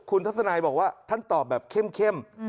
คุณทัศนายบอกว่าท่านตอบแบบเข้ม